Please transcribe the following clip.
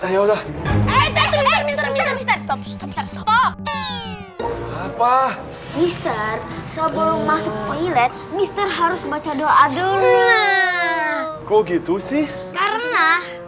apa bisa sebelum masuk toilet mister harus baca doa dulu kok gitu sih karena